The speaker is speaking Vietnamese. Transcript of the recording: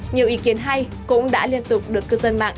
nhiều ý kiến hay cũng đã liên tục được cư dân mạng